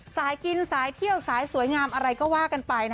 สายกินสายเที่ยวสายสวยงามอะไรก็ว่ากันไปนะ